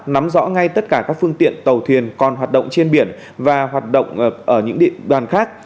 nắm rõ ngay tất cả các phương tiện tàu thuyền còn hoạt động trên biển và hoạt động ở những đoàn khác